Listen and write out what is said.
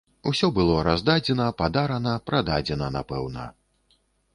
Усё было раздадзена, падарана, прададзена, напэўна.